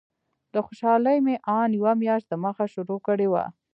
له خوشالۍ مې ان یوه میاشت دمخه شروع کړې وه.